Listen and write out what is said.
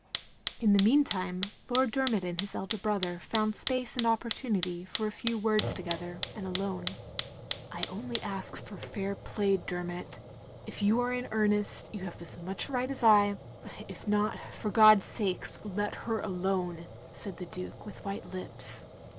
In the meantime Lord Dermot and his elder brother found space and opportunity for a few words together, and alone. "I only ask for fair play, Dermot. If you are in earnest, you have as much right as I — if not, for God's sake, let her alone," said the Duke, with white lips.